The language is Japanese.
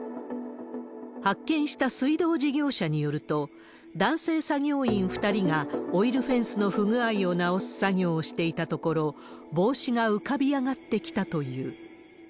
発見した水道事業者によると、男性作業員２人がオイルフェンスの不具合を直す作業をしていたところ、帽子が浮かび上がってきたという。